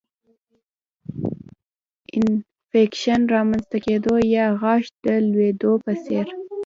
انفکشن رامنځته کېدو او یا غاښ د لوېدو په څېر